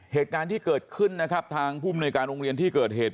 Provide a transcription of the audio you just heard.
เหตุการณ์ที่เกิดขึ้นนะครับทางผู้มนุยการโรงเรียนที่เกิดเหตุ